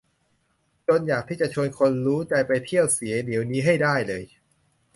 จนอยากที่จะชวนคนรู้ใจไปเที่ยวเสียเดี๋ยวนี้ให้ได้เลย